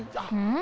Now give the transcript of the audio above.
ん？